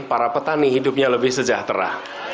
para petani hidupnya lebih sejahtera